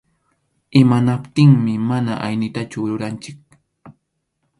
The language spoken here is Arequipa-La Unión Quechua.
Imanaptinmi mana aynitachu ruranchik.